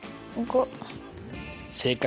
正解。